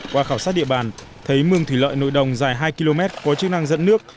qua khảo sát địa bàn thấy mương thủy lợi nội đồng dài hai km có chức năng dẫn nước